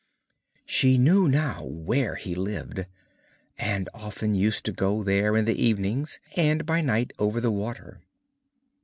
She knew now where he lived, and often used to go there in the evenings and by night over the water.